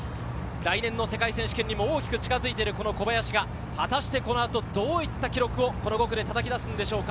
来年の世界選手権にも大きく近づいている小林が果たしてこの後、どういった記録を５区で叩き出すでしょうか。